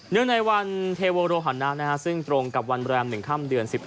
เนื้อในวันเทวโวโรหันนะครับซึ่งตรงกับวันแรม๑ค่ำเดือน๑๑